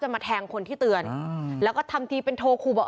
มาแทงคนที่เตือนแล้วก็ทำทีเป็นโทรขู่บอก